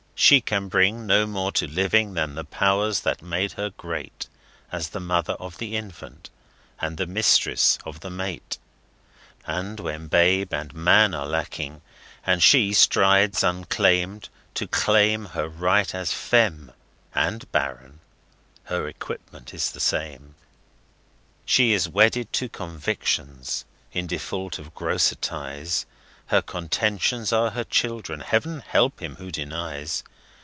She can bring no more to living than the powers that make her great As the Mother of the Infant and the Mistress of the Mate; And when Babe and Man are lacking and she strides unclaimed to claim Her right as femme (and baron), her equipment is the same. She is wedded to convictions in default of grosser ties; Her contentions are her children, Heaven help him, who denies!